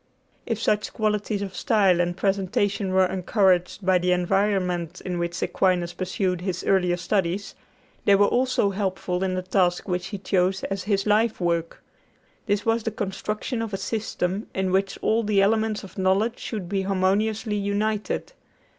If such qualities of style and presentation were encouraged by the environment in which Aquinas pursued his earlier studies, they were also helpful in the task which he chose as his life work. This was the construction of a system in which all the elements of knowledge should be harmoniously united.